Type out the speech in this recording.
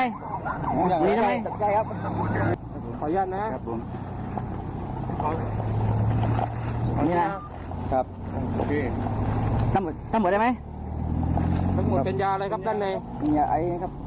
เมื่อเวลาเมื่อเวลาเมื่อเวลาเมื่อเวลาเมื่อเวลา